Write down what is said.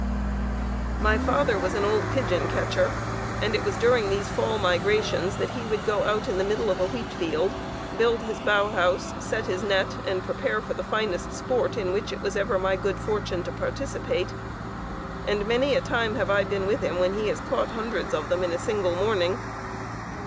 My father was an old pigeon catcher, and it was during these fall migrations that he would go out in the middle of a wheat field, build his bough house, set his net, and prepare for the finest sport in which it was ever my good fortune to participate; and many a time have I been with him when he has caught hundreds of them in a single morning.